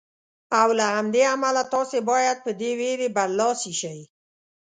او له همدې امله تاسې باید په دې وېرې برلاسي شئ.